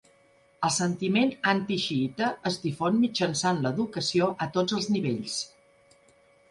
El sentiment antixiita es difon mitjançant l'educació a tots els nivells.